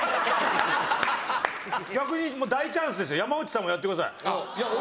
逆に今大チャンスですよ山内さんもやってください。